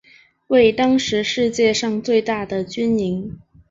为当时世界上最大的军营。